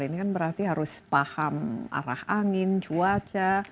ini kan berarti harus paham arah angin cuaca